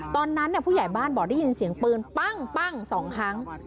ตอนนั้นผู้ใหญ่บ้านบอกได้ยินเสียงปืนปั้ง๒ครั้ง